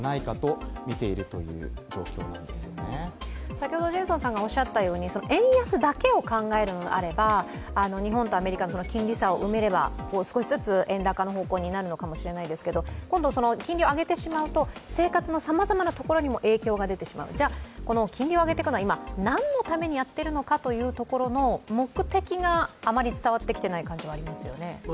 先ほどジェイソンさんがおっしゃったように円安だけを考えるのであれば、日本とアメリカの金利差を埋めれば少しずつ円高の方向になるかもしれないですけど今度、金利を上げてしまうと、生活のさまざまなところにも影響が出てしまうじゃ、この金利を上げていくのは何のためにやっているのかというところの目的があまり伝わってきていない感じがありますね。